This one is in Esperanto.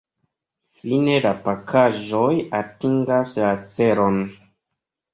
Fine la pakaĵoj atingas la celon.